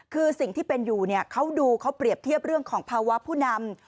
คือสิ่งที่เป็นอยู่เขาดูเขาเปรียบเทียบเรื่องของภาวะผู้นำ